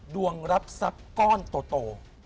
ดวงรับสักก้อนโต